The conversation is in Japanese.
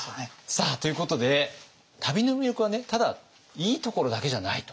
さあということで旅の魅力はねただいいところだけじゃないと。